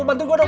bantu gue dong